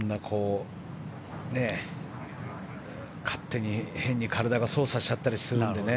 勝手に、変に体を操作しちゃったりするんでね。